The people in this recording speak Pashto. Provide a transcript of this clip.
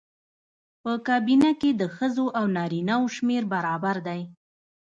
په کابینه کې د ښځو او نارینه وو شمېر برابر دی.